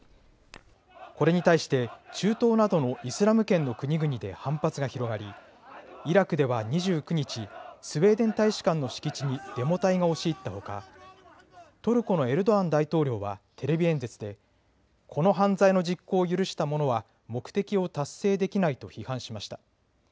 これに対して中東などのイスラム圏の国々で反発が広がりイラクでは２９日、スウェーデン大使館の敷地にデモ隊が押し入ったほか、トルコのエルドアン大統領はテレビ演説でこの犯罪の実行を許した者は目的を達成できないと批判しました。